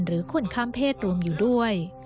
หรือคนข้ามเพศรวมอยู่ด้วย